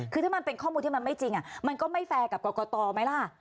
คือถ้ามันเป็นข้อมูลที่มันไม่จริงมันก็ไม่แฟร์กับกรกตไหมล่ะ